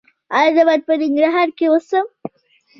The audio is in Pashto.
ایا زه باید په ننګرهار کې اوسم؟